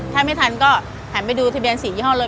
ถ้าไม่ทันก็หันไปดูทะเบียน๔ยี่ห้อเลย